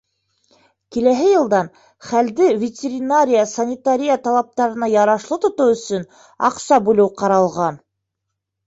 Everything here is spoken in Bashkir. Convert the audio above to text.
Киләһе йылдан хәлде ветеринария-санитария талаптарына ярашлы тотоу өсөн аҡса бүлеү ҡаралған.